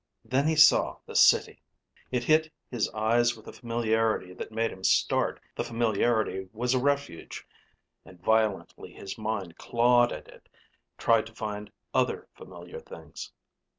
Then he saw the City. It hit his eyes with a familiarity that made him start. The familiarity was a refuge, and violently his mind clawed at it, tried to find other familiar things.